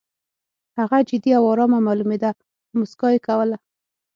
هغه جدي او ارامه معلومېده خو موسکا یې کوله